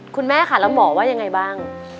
คุณแม่ค่ะแล้วหมอว่ายังไงบ้าง